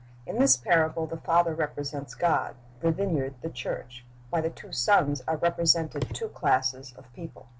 In this parable the father represents God, the vineyard the church. By the two sons are represented two classes of people.